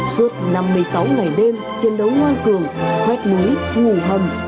suốt năm mươi sáu ngày đêm chiến đấu ngoan cường hoét ngưới ngủ hầm